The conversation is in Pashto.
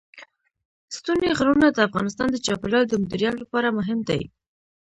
ستوني غرونه د افغانستان د چاپیریال د مدیریت لپاره مهم دي.